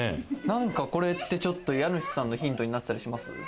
なんかこれって、ちょっと家主さんのヒントになってたりします？